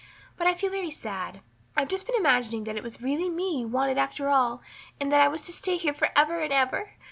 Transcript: But I feel very sad. I've just been imagining that it was really me you wanted after all and that I was to stay here for ever and ever.